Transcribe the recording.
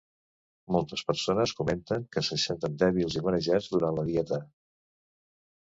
Moltes persones comenten que se senten dèbils i marejats durant la dieta.